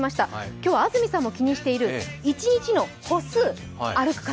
今日安住さんも気にしている一日の歩数、歩く数。